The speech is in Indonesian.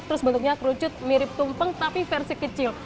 terus bentuknya kerucut mirip tumpeng tapi versi kecil